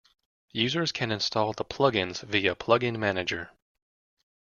Users can install the plugins via Plugin Manager.